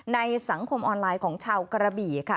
ในสังคมออนไลน์ของชาวกระบี่ค่ะ